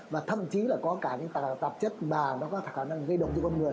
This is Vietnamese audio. và thậm chí là có cả những tạp chất mà nó có khả năng gây động cho con người